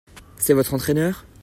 C'est votre entraineur ?